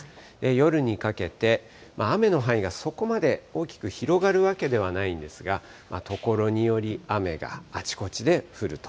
夜にかけて、雨の範囲がそこまで大きく広がるわけではないんですが、ところにより雨があちこちで降ると。